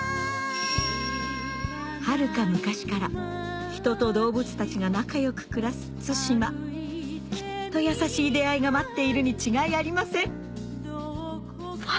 はるか昔から人と動物たちが仲良く暮らす対馬きっと優しい出会いが待っているに違いありません